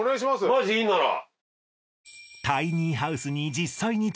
マジでいいんなら。